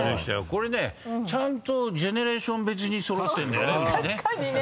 これねちゃんとジェネレーション別に揃ってんだよねうちね。